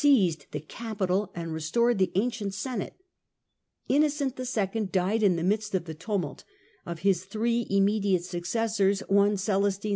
AND CONRAD III. 133 ized the Capitol and restored the ancient Senate. Innocent II. died in the midst of the tumult; of his three immediate successors, one, Celestine II.